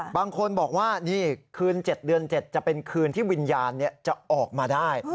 บางคนบอกว่านี่คืน๗เดือน๗จะเป็นคืนที่วิญญาณจะออกมาได้